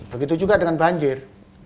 begitu juga dengan banjir